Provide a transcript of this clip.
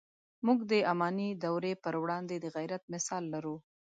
موږ د اماني دورې پر وړاندې د غیرت مثال لرو.